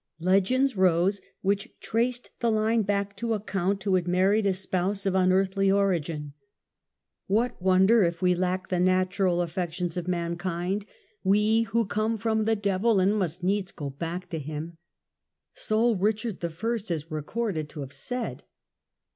Legends rose which traced the line back to a count who had married a spouse of un earthly origin. "What wonder if we lack the natural affections of mankind — we who come from the devil and must needs go back to him!" So Richard I. is recorded to have said.